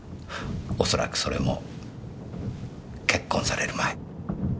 おそらくそれも結婚される前。